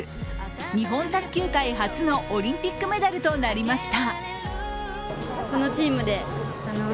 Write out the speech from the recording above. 日本卓球界初のオリンピックメダルとなりました。